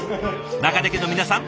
中出家の皆さん